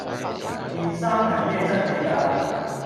件衫係咩質地架